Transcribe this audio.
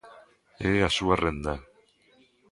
É a súa renda.